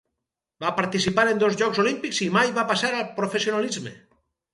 Va participar en dos Jocs Olímpics i mai va passar al professionalisme.